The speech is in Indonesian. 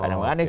ada yang manis